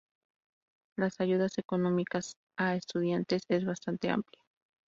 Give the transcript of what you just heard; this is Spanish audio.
Las ayudas económicas a estudiantes es bastante amplia.